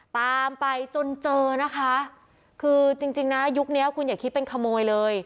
ตามไปจนเจอนะคะคือจริงจริงนะยุคนี้คุณอย่าคิดเป็นขโมยเลย